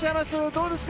どうですか？